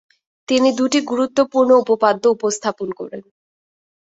তিনি দুটি গুরুত্বপূর্ণ উপপাদ্য উপস্থাপন করেন।